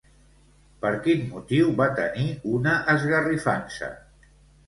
Per quin motiu va tenir una esgarrifança?